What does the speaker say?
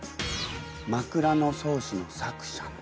「枕草子」の作者の。